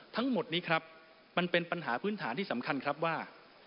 ทั้งหมดนี้ครับมันเป็นปัญหาพื้นฐานที่สำคัญครับว่า